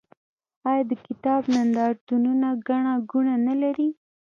آیا د کتاب نندارتونونه ګڼه ګوڼه نلري؟